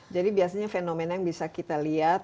jadi biasanya fenomena yang bisa kita lihat